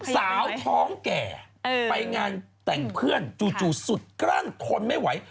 สาวท้องแก่ไปงานแต่งเพื่อนจู่สุดกลั้นทนไม่ไหว